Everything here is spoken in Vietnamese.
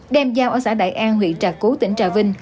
đem giao ở xã đại an huyện trà cú tỉnh trà vinh